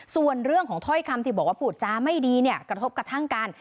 ส่วนเรื่องของถ้อยคำที่บอกว่าพูดจาไม่ดีเนี่ยกระทบกระทั่งกัน